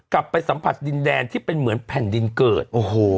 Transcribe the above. กลับไปสัมผัสดินแดนที่เป็นเหมือนแผ่นดินเกิดโอ้โห